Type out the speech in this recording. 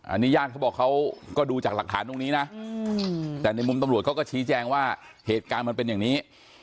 อันนี้ญาติเขาบอกเขาก็ดูจากหลักฐานตรงนี้นะแต่ในมุมตำรวจเขาก็ชี้แจงว่าเหตุการณ์มันเป็นอย่างนี้